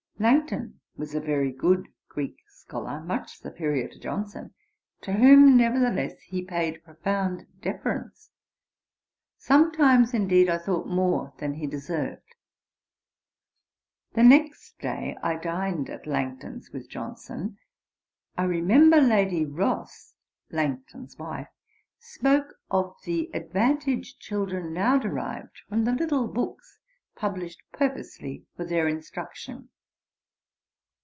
Langton was a very good Greek scholar, much superior to Johnson, to whom nevertheless he paid profound deference, sometimes indeed I thought more than he deserved. The next day I dined at Langton's with Johnson, I remember Lady Rothes [Langton's wife] spoke of the advantage children now derived from the little books published purposely for their instruction.